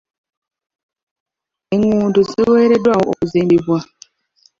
Enguudo ziweereddwayo okuzimbibwa.